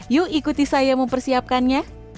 yuk ikuti saya mempersiapkannya